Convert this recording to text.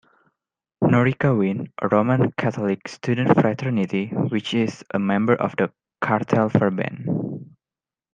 Norica Wien, a Roman Catholic student fraternity, which is a member of the Cartellverband.